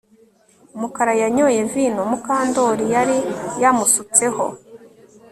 Mukara yanyoye vino Mukandoli yari yamusutseho